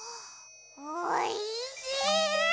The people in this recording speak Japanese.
おいしい！